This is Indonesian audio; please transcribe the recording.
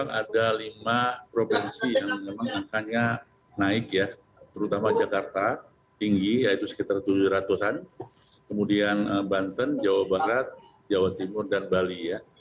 jadi ada lima provinsi yang memang akannya naik ya terutama jakarta tinggi yaitu sekitar tujuh ratus an kemudian banten jawa barat jawa timur dan bali